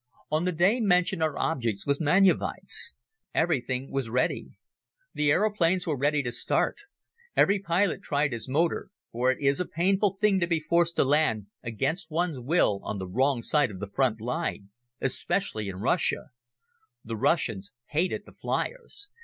On the day mentioned our object was Manjewicze. Everything was ready. The aeroplanes were ready to start. Every pilot tried his motor, for it is a painful thing to be forced to land against one's will on the wrong side of the Front line, especially in Russia. The Russians hated the flyers.